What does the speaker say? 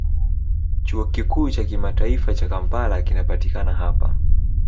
Chuo Kikuu cha Kimataifa cha Kampala kinapatikana hapa.